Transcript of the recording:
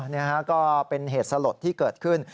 นี่ฮะก็เป็นเหตุสลดที่เกิดขึ้น